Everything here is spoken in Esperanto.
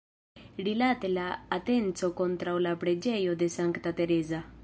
Rilate la atencon kontraŭ la preĝejo de Sankta Tereza.